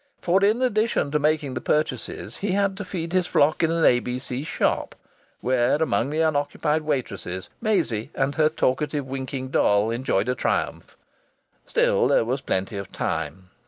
For in addition to making the purchases he had to feed his flock in an A.B.C. shop, where among the unoccupied waitresses Maisie and her talkative, winking doll enjoyed a triumph. Still there was plenty of time.